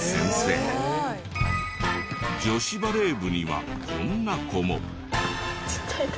女子バレー部にはこんな子も。